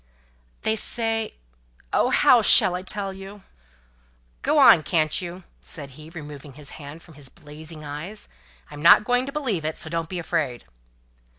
"They say oh! how shall I tell you?" "Go on, can't you?" said he, removing his hand from his blazing eyes. "I'm not going to believe it, so don't be afraid!"